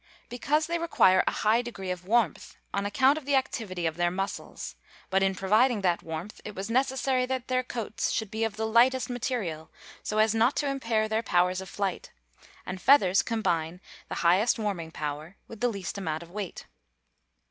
_ Because they require a high degree of warmth, on account of the activity of their muscles; but in providing that warmth it was necessary that their coats should be of the lightest material, so as not to impair their powers of flight; and feathers combine the highest warming power, with the least amount of weight.